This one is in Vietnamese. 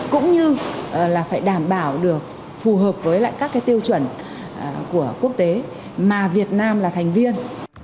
cũng như là phải đảm bảo được phù hợp với lại các cái tiêu chuẩn của quốc tế mà việt nam là thành viên